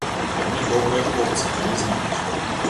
Яны добрыя хлопцы, але знікнуць.